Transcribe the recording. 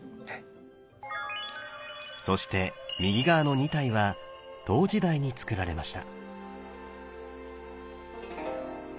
そして右側の２体は唐時代につくられました。